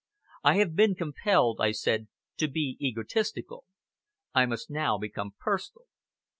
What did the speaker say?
"I have been compelled," I said, "to be egotistical. I must now become personal.